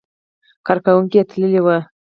کارکوونکي یې تللي وو.